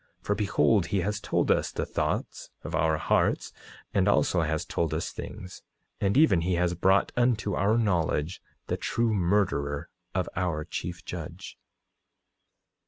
For behold, he has told us the thoughts of our hearts, and also has told us things; and even he has brought unto our knowledge the true murderer of our chief judge.